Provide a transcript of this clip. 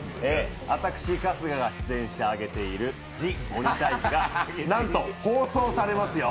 私春日が出演してあげている「ＴＨＥ鬼タイジ」がなんと放送されますよ。